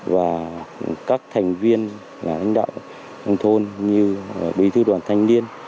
và các thành viên là lãnh đạo nông thôn như bí thư đoàn thanh niên